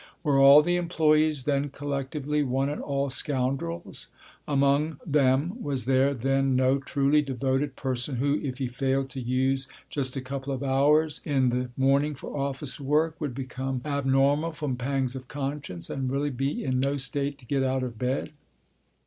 Were all the employees then collectively, one and all, scoundrels? Among them was there then no truly devoted person who, if he failed to use just a couple of hours in the morning for office work, would become abnormal from pangs of conscience and really be in no state to get out of bed?